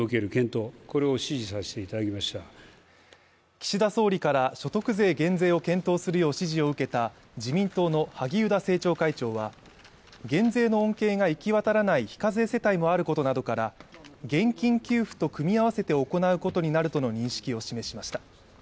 岸田総理から所得税減税を検討するよう指示を受けた自民党の萩生田政調会長は減税の恩恵が行き渡らない非課税世帯もあることなどから現金給付と組み合わせて行うことになるとの認識を示しました